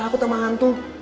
gue takut sama hantu